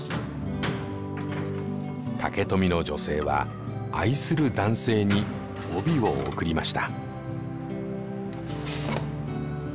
竹富の女性は愛する男性に帯を贈りました。